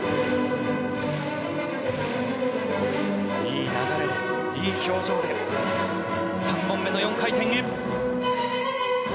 いい流れ、いい表情で３本目の４回転へ！